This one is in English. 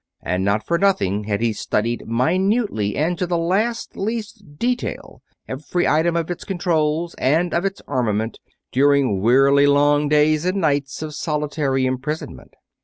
And not for nothing had he studied minutely and to the last, least detail every item of its controls and of its armament during wearily long days and nights of solitary imprisonment.